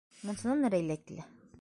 Мунсанан Рәйлә килә.